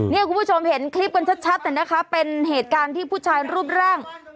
คุณผู้ชมเห็นคลิปกันชัดนะคะเป็นเหตุการณ์ที่ผู้ชายรูปร่าง